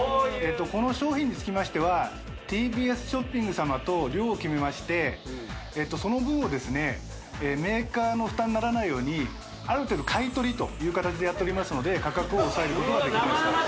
この商品につきましては「ＴＢＳショッピング」様と量を決めましてその分をですねメーカーの負担にならないようにある程度買い取りという形でやっておりますので価格を抑えることができましたうわ